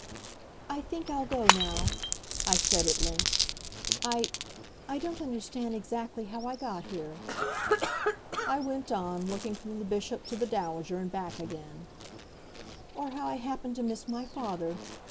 "I think I'll go now," I said at length. "I I don't understand exactly how I got here," I went on, looking from the Bishop to the Dowager and back again, "or how I happened to miss my father.